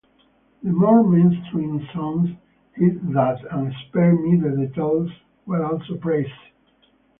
The more mainstream songs, "Hit That" and "Spare Me the Details", were also praised.